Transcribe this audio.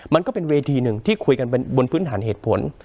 มันก็เป็นเวทีหนึ่งที่คุยกันบนพื้นฐานเหตุผล